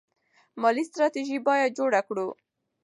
مالي ستراتیژي باید جوړه کړو.